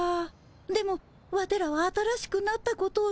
でもワテらは新しくなったことを知ってる。